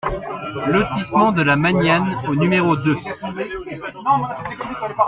Lotissement de la Magnane au numéro deux